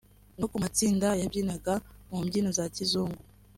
no ku matsinda yabyinaga mu mbyino za kizungu